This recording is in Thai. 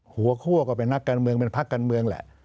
หัวคั่วก็เป็นนักการเมืองเป็นพักการเมืองแหละ